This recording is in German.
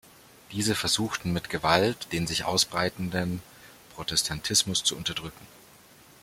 Diese versuchten mit Gewalt, den sich ausbreitenden Protestantismus zu unterdrücken.